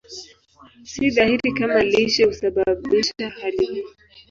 Si dhahiri kama lishe husababisha hali hii.